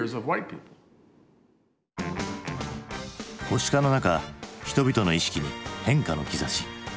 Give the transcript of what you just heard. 保守化の中人々の意識に変化の兆し。